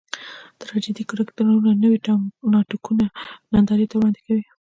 ټراجېډي کرکټرونه نوي ناټکونه نندارې ته وړاندې کوي.